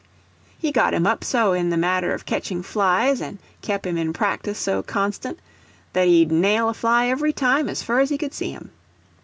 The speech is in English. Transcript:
He got him up so in the matter of ketching flies, and kep' him in practice so constant, that he'd nail a fly every time as fur as he could see him.